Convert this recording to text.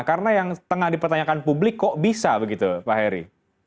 karena yang tengah dipertanyakan publik kok bisa begitu pak heri